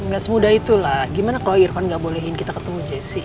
gak semudah itu lah gimana kalau irvan gak bolehin kita ketemu jessy